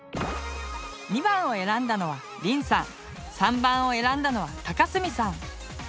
２番を選んだのはりんさん３番を選んだのはたかすみさん。